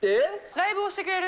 ライブをしてくれる。